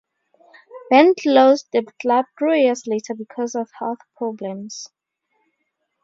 Ben closed the club three years later because of health problems.